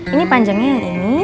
ini panjangnya yang ini